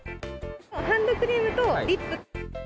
ハンドクリームとリップ。